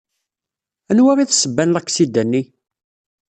Anwa i d ssebba n laksida-nni?